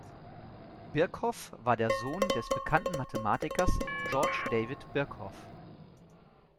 Birkhoff war der Sohn des bekannten Mathematikers George David Birkhoff.